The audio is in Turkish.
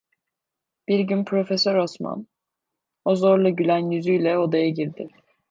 Bir gün Profesör Osman, o zorla gülen yüzüyle odaya girdi.